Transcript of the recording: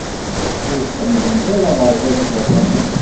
Ur tḥemmlemt ara aɣerbaz s waṭas.